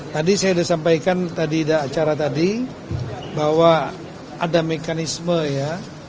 tadi saya sudah sampaikan tadi di acara tadi bahwa ada mekanisme ya